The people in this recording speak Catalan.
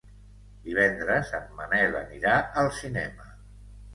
Divendres en Manel anirà al cinema.